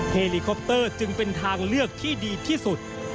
เฮลิคอปเตอร์จึงเป็นทางเลือกที่ดีที่สุด